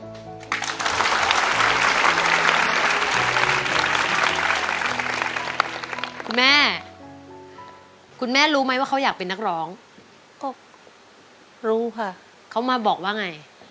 คุณแม่คุณแม่รู้ไหมว่าเขาอยากเป็นนักร้องก็รู้ค่ะเขามาบอกว่าไง